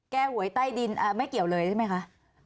หวยใต้ดินไม่เกี่ยวเลยใช่ไหมคะ